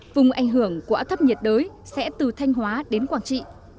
vùng ảnh hưởng của áp thấp nhiệt đới sẽ từ thanh hóa đến quảng trị